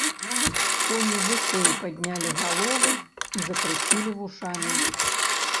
Коні вышэй паднялі галовы і закруцілі вушамі.